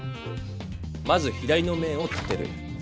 まず左の面を立てる。